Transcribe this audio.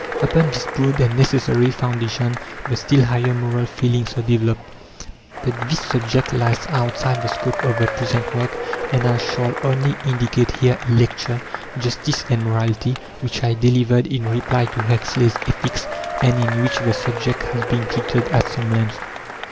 Upon this broad and necessary foundation the still higher moral feelings are developed. But this subject lies outside the scope of the present work, and I shall only indicate here a lecture, "Justice and Morality" which I delivered in reply to Huxley's Ethics, and in which the subject has been treated at some length.